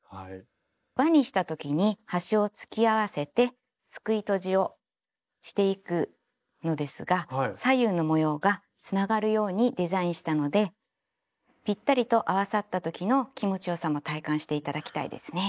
輪にした時に端を突き合わせてすくいとじをしていくのですが左右の模様がつながるようにデザインしたのでぴったりと合わさった時の気持ちよさも体感して頂きたいですね。